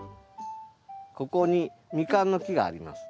ここにミカンの木があります。